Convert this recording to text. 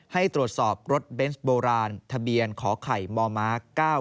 ให้ตรวจสอบรถเบนส์โบราณทะเบียนขอไข่มม๙๙